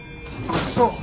そう！